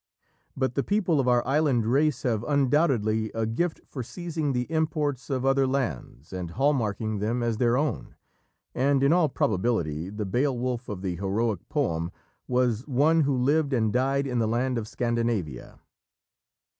But the people of our island race have undoubtedly a gift for seizing the imports of other lands and hall marking them as their own, and, in all probability, the Beowulf of the heroic poem was one who lived and died in the land of Scandinavia.